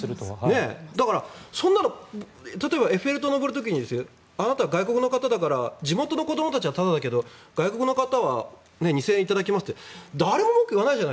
だから、そんなの例えばエッフェル塔に上る時にあなた、外国の方だから地元の子どもたちはタダだけど外国の方は２０００円頂きますって誰も文句言わない。